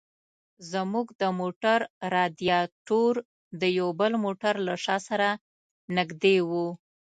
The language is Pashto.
زموږ د موټر رادیاټور د یو بل موټر له شا سره نږدې و.